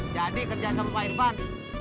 jadi kerjaan sama pak irfan